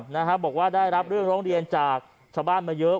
นะฮะบอกว่าได้รับเรื่องร้องเรียนจากชาวบ้านมาเยอะ